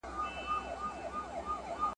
انتظار مي اخري سو، د هجران غم ناسوري سو.